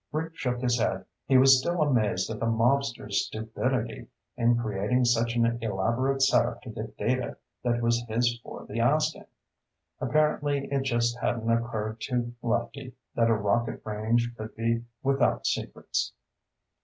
Rick shook his head. He was still amazed at the mobster's stupidity in creating such an elaborate setup to get data that was his for the asking. Apparently it just hadn't occurred to Lefty that a rocket range could be without secrets.